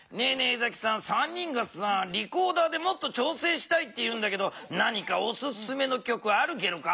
江崎さん３人がさリコーダーでもっとちょうせんしたいっていうんだけど何かおすすめのきょくあるゲロか？